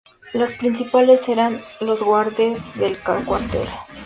Los principales eran los guardas de cuartel.